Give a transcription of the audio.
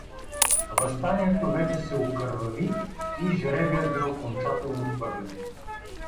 Въстанието вече се окървави и жребият бе окончателно хвърлен.